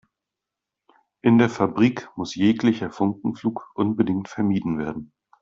In der Fabrik muss jeglicher Funkenflug unbedingt vermieden werden.